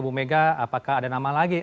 bumega apakah ada nama lagi